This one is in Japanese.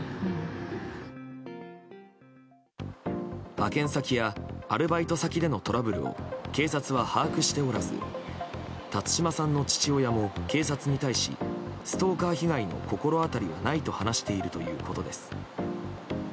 派遣先やアルバイト先でのトラブルを警察は把握しておらず辰島さんの父親も警察に対しストーカー被害の心当たりはないと話しているということです。